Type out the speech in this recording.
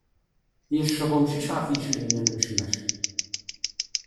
Yecceḍ umcic ɣef yiclem n lmecmac.